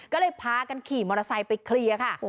ก็เลยพากันขี่มอเตอร์ไซค์ไปเคลียร์ค่ะ